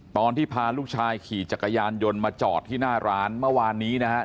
ตอนที่พาลูกชายขี่จักรยานยนต์มาจอดที่หน้าร้านเมื่อวานนี้นะฮะ